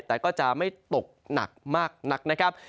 แต่ก็จะไม่ตกหนักมากนักนะครับ